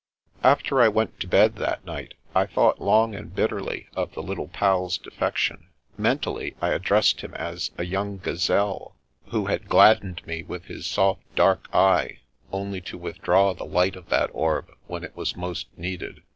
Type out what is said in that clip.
After I went to bed that night, I thought long and bitterly of the Little Pal's defection. Mentally, I addressed him as a young gazelle who had gladdened me with his soft dark eye, only to with draw the light of that orb when it was most needed.